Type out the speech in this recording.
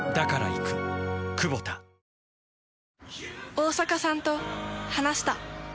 大坂さんと話した。